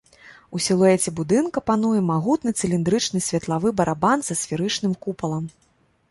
У сілуэце будынка пануе магутны цыліндрычны светлавы барабан са сферычным купалам.